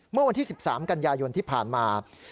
เมื่อวันที่๑๓กันยายนที่ผ่านมา